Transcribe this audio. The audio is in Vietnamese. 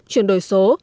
chuyển đổi số